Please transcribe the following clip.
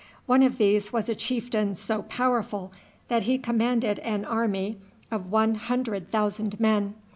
One of these was a chieftain so powerful that he commanded an army of one hundred thousand men.